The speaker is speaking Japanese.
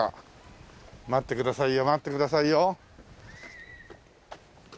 待ってくださいよ待ってくださいよ。